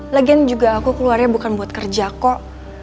lagian juga aku keluarnya bukan buat kerja kok